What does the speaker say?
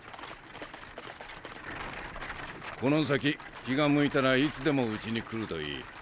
この先気が向いたらいつでもうちに来るといい。